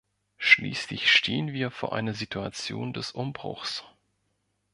Schließlich stehen wir vor einer Situation des Umbruchs.